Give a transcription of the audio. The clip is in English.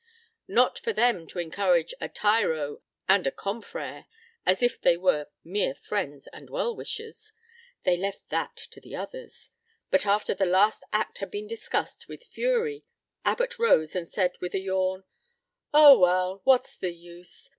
Not for them to encourage a tyro and a confrère, as if they were mere friends and well wishers. They left that to the others, but after the last act had been discussed with fury, Abbott arose and said with a yawn: "Oh, well, what's the use?